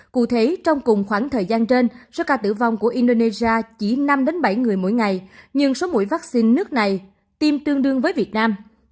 cụ thể trong cùng khoảng thời gian trên số ca tử vong của indonesia chỉ năm bảy người mỗi ngày nhưng số mũi vaccine nước này tiêm tương đương với việt nam